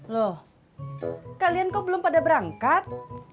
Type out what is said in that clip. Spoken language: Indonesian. loh kalian kok belum pada berangkat